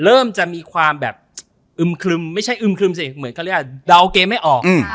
เริ่มจะมีความแบบอึมครึมไม่ใช่อึมครึมสิเหมือนเขาเรียกว่าเดาเกมไม่ออก